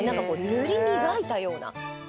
塗り磨いたような。